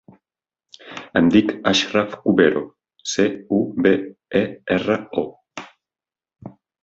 Em dic Achraf Cubero: ce, u, be, e, erra, o.